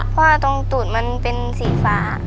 เพราะว่าตรงตูดมันเป็นสีฟ้า